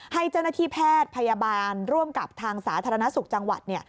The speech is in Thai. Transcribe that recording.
ให้เจ้าหน้าที่แพทย์พยาบาลร่วมกับทางสาธารณสุขจังหวัด